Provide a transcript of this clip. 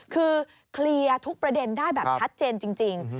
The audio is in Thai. คือเคลียร์ทุกประเด็นได้แบบชัดเจนจริง